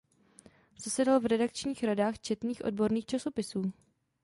Zasedal v redakčních radách četných odborných časopisů.